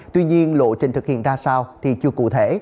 tuy nhiên lộ trình thực hiện ra sao thì chưa cụ thể